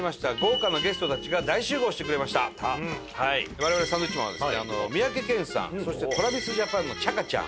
我々サンドウィッチマンはですね三宅健さんそしてＴｒａｖｉｓＪａｐａｎのちゃかちゃん。